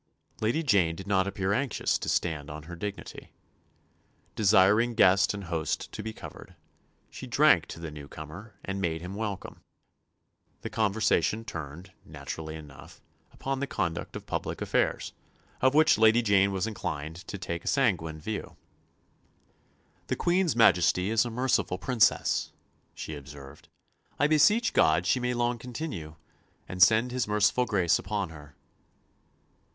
Lady Jane did not appear anxious to stand on her dignity. Desiring guest and host to be covered, she drank to the new comer and made him welcome. The conversation turned, naturally enough, upon the conduct of public affairs, of which Lady Jane was inclined to take a sanguine view. "The Queen's Majesty is a merciful Princess," she observed. "I beseech God she may long continue, and send His merciful grace upon her."